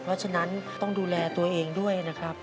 เพราะฉะนั้นต้องดูแลตัวเองด้วยนะครับ